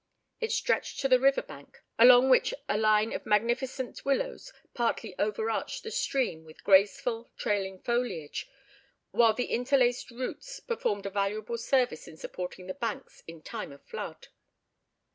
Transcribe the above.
It stretched to the river bank, along which a line of magnificent willows partly over arched the stream with graceful, trailing foliage, while the interlaced roots performed valuable service in supporting the banks in time of flood.